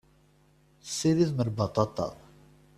Tessiridem lbaṭaṭa.